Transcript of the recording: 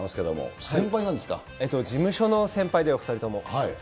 事務所の先輩で、お２人とも。